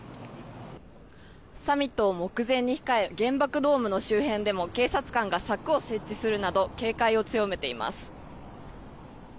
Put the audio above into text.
サミットを目前に控え原爆ドームの周辺でも警察官が柵を設置するなど警戒を強めています。